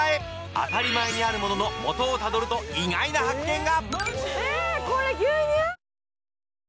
当たり前にあるもののもとをたどると、意外な発見が。